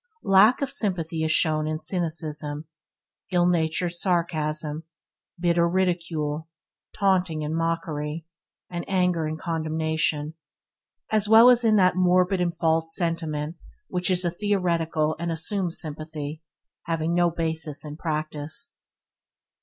Lack of sympathy is shown in cynicism, illnatured sarcasm, bitter ridicule, taunting and mockery, and anger and condemnation, as well as in that morbid and false sentiment which is a theoretical and assumed sympathy, having no basis in practice.